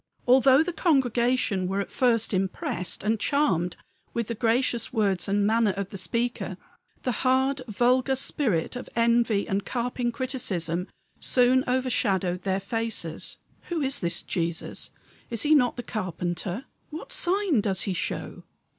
Although the congregation were at first impressed and charmed with the gracious words and manner of the speaker, the hard, vulgar spirit of envy and carping criticism soon overshadowed their faces. "Who is this Jesus is he not the carpenter? What sign does he show?